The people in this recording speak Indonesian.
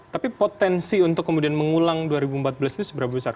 tapi potensi untuk kemudian mengulang dua ribu empat belas itu seberapa besar